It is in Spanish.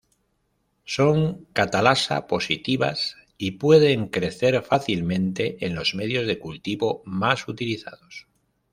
Son catalasa-positivas y pueden crecer fácilmente en los medios de cultivo más utilizados.